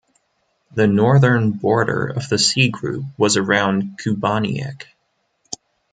The northern border of the C-Group was around Kubaniek.